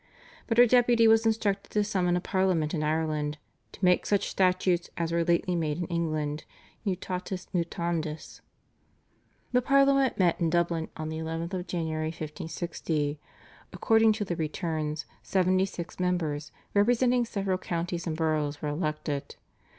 But her Deputy was instructed to summon a Parliament in Ireland "to make such statutes as were lately made in England /mutatis mutandis/." The Parliament met in Dublin on the 11th of January 1560. According to the returns seventy six members representing several counties and boroughs were elected.